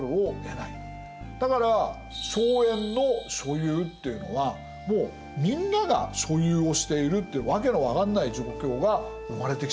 だから荘園の所有っていうのはもうみんなが所有をしているっていう訳の分かんない状況が生まれてきちゃうんです。